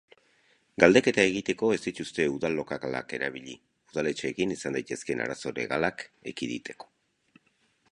Galdeketa egiteko ez dituzte udal-lokalak erabili udaletxeekin izan daitezkeen arazo legalak ekiditeko.